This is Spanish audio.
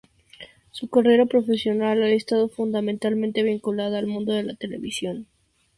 Su carrera profesional ha estado fundamentalmente vinculada al mundo de la televisión.